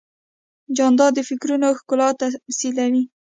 جانداد د فکرونو ښکلا تمثیلوي.